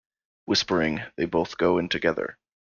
Whispering, they both go in together.